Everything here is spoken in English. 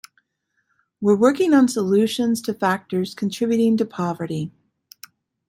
We're working on solutions to factors contributing to poverty.